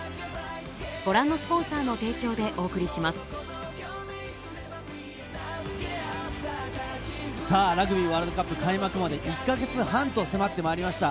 わかるぞさぁ、ラグビーワールドカップ開幕まで１か月半と迫ってまいりました。